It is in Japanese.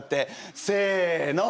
せの！